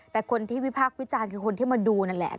แต่คนที่วิพากษ์วิจารณ์คือคนที่มาดูนั่นแหละ